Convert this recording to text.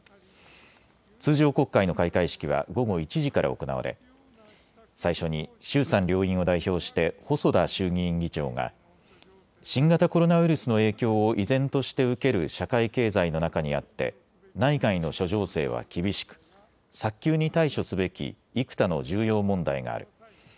通常国会の開会式は午後１時から行われ最初に衆参両院を代表して細田衆議院議長が新型コロナウイルスの影響を依然として受ける社会経済の中にあって内外の諸情勢は厳しく早急に対処すべき幾多の重要問題がある。